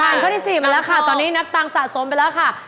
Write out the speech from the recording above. ข้อที่๔มาแล้วค่ะตอนนี้นับตังค์สะสมไปแล้วค่ะ